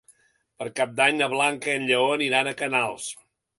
Per Cap d'Any na Blanca i en Lleó aniran a Canals.